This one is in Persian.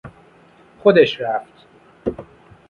خودش رفت.